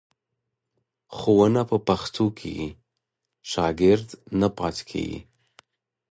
ښوونه په پښتو کېږي، شاګرد نه پاتې کېږي.